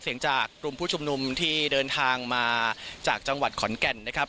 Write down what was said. เสียงจากกลุ่มผู้ชุมนุมที่เดินทางมาจากจังหวัดขอนแก่นนะครับ